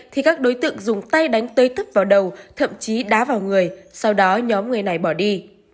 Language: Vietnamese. thì các đối tượng dùng tay đánh tới tức vào đầu thậm chí đá vào người sau đó nhóm người này bỏ đi